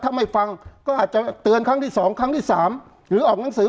ถ้าไม่ฟังก็อาจจะเตือนครั้งที่๒ครั้งที่๓หรือออกหนังสือ